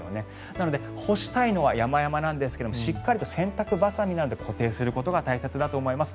なので干したいのはやまやまですがしっかりと洗濯バサミなどで固定することが大切だと思います。